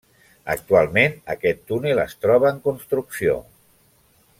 Actualment aquest túnel es troba en construcció.